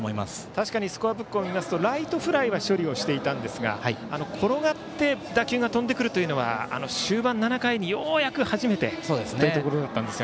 確かにスコアブックを見ますとライトフライは処理をしていたんですが転がって打球が飛んでくるのは終盤７回にようやく初めてでした。